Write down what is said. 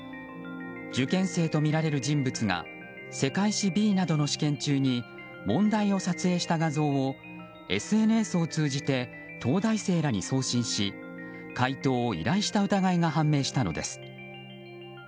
受験生とみられる人物が世界史Ｂなどの試験中に問題を撮影した画像をＳＮＳを通じて東大生らに送信し解答を依頼した疑いが判明したのです。